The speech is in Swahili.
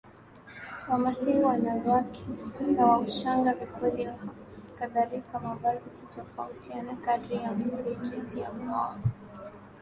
Wamasai wanawake na ushanga vipuli nakadhalika Mavazi hutofautiana kadiri ya umri jinsia na mahali